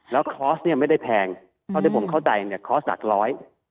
แล้วคอร์สไม่ได้แพงถ้าที่ผมเข้าใจคอร์สหลักร้อย